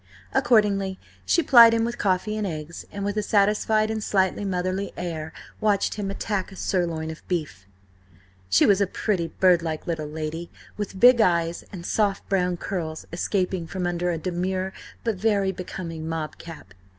Accordingly she plied him with coffee and eggs, and with a satisfied and slightly motherly air, watched him attack a sirloin of beef. She was a pretty, birdlike little lady, with big eyes, and soft brown curls escaping from under a demure but very becoming mob cap.